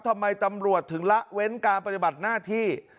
ทำไมตำรวจถึงละเว้นการปฏิบัติหน้าที่